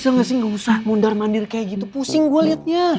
ibu bisa gak sih gak usah mondar mandir kaya gitu pusing gua liatnya